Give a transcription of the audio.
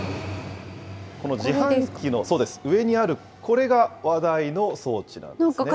この自販機の上にあるこれが話題の装置なんですね。